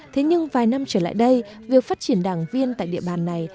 thế nhưng vài năm trở lại đây việc phát triển đảng viên tại địa bàn này